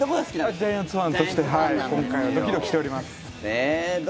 ジャイアンツファンで、今回はドキドキしております。